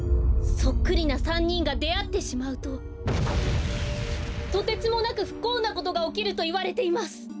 そっくりな３にんがであってしまうととてつもなくふこうなことがおきるといわれています。